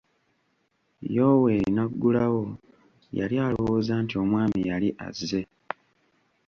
Yoweeri n'aggulawo; yali alowooza nti omwami yali azze.